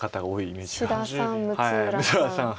志田さん六浦さん。